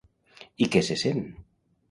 I què se sent?